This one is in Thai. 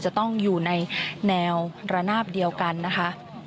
จะต้องอยู่ในแนวระนาบเดียวกันนะคะ